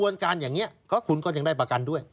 แล้วคุณก็ยังได้ประกันด้วย